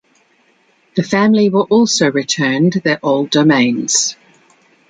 The family were also returned their old domains.